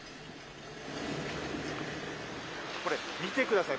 これ、見てください。